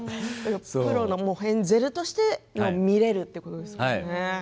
プロのヘンゼルとして見られるということですね。